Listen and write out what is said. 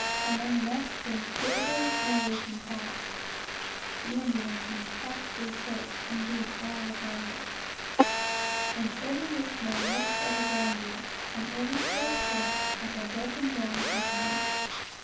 Among the Mexicans there is no working class; (the Indians being slaves and doing all the hard work;) and every rich man looks like a grandee, and every poor scamp like a broken down gentleman.